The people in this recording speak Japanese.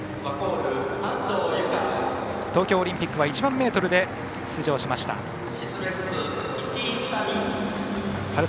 東京オリンピックは１００００ｍで出場しました安藤。